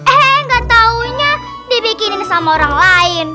eh gak taunya dibikinin sama orang lain